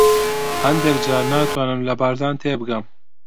هەندێک جار ناتوانم لە بارزان تێبگەم.